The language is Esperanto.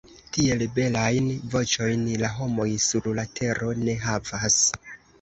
Tiel belajn voĉojn la homoj sur la tero ne havas.